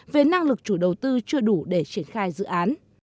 về năng lực chủ đầu tư chưa đủ để triển khai dự án